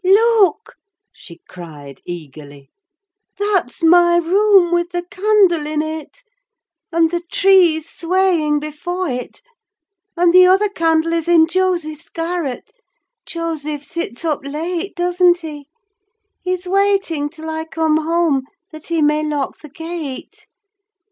"Look!" she cried eagerly, "that's my room with the candle in it, and the trees swaying before it; and the other candle is in Joseph's garret. Joseph sits up late, doesn't he? He's waiting till I come home that he may lock the gate.